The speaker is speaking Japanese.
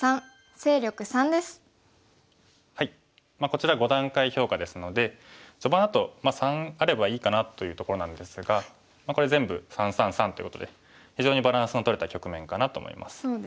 こちら５段階評価ですので序盤だと３あればいいかなというところなんですがこれ全部３３３ということで非常にバランスのとれた局面かなと思います。